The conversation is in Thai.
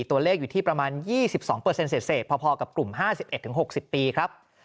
ตัวเลขอยู่ที่ประมาณ๒๒เสร็จพอกับกลุ่ม๕๑๖๐ปีครับ